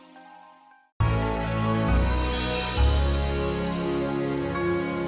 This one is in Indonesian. sampai jumpa di video selanjutnya